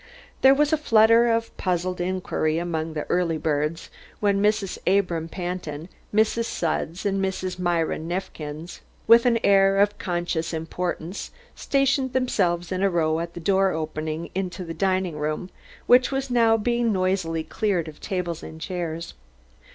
There was a flutter of puzzled inquiry among the Early Birds when Mrs. Abram Pantin, Mrs. Sudds and Mrs. Myron Neifkins with an air of conscious importance stationed themselves in a row at the door opening into the dining room, which was now being noisily cleared of tables and chairs.